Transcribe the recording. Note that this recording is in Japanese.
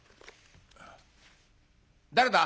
誰だ？